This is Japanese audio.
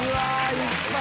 いっぱい！